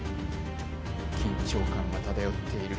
緊張感が漂っている。